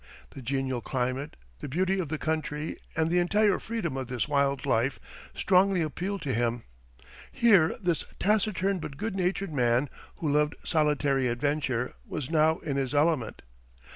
The genial climate, the beauty of the country, and the entire freedom of this wild life, strongly appealed to him. Here this taciturn but good natured man, who loved solitary adventure, was now in his element.